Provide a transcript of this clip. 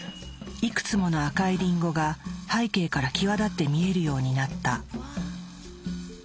いくつもの赤いリンゴが背景から際立って見えるようになった。